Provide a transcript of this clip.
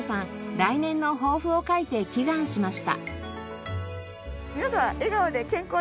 来年の抱負を書いて祈願しました。